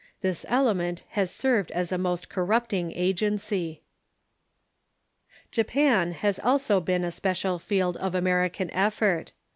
This element has served as a most corrupting agency. Japan has also been a special field of American efi'ort.